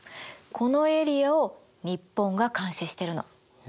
このエリアを日本が監視してるの。